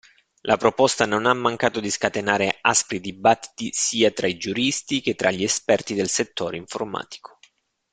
La proposta non ha mancato di scatenare aspri dibattiti sia tra i giuristi che tra gli esperti del settore informatico.